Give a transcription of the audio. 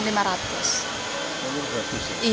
sekarang lima ratus sih